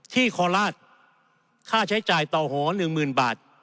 โคราชค่าใช้จ่ายต่อหอ๑๐๐๐บาท